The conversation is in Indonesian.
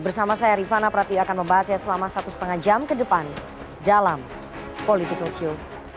bersama saya rifana prati akan membahasnya selama satu lima jam ke depan dalam political show